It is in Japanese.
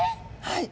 はい。